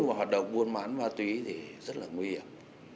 là buôn mãn ma túy thì rất là nguy hiểm